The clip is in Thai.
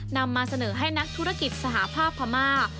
นำมาเสนอให้นักธุรกิจสหภาพพม่า